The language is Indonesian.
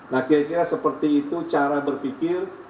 jadi saya kira seperti itu cara berpikir